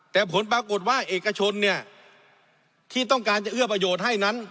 แต่ผลปรากฏว่าเอกชนเนี่ยที่ต้องการจะเอื้อประโยชน์ให้นั้น